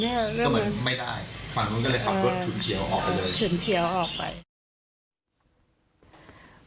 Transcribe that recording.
ก็เหมือนไม่ได้ฝั่งนู้นก็เลยขับรถชุนเฉียวออกไปเลย